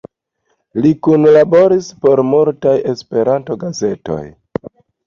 Li kunlaboris por multaj Esperanto-gazetoj.